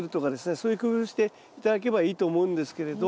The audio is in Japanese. そういう工夫して頂けばいいと思うんですけれど。